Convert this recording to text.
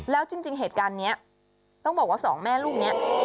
แล้วจริงเหตุการณ์นี้ต้องบอกว่าสองแม่ลูกนี้